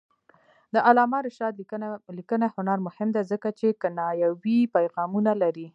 د علامه رشاد لیکنی هنر مهم دی ځکه چې کنایوي پیغامونه لري.